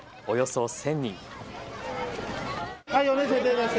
およそ１０００人。